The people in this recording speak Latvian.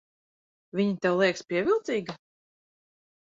Viņa tev liekas pievilcīga?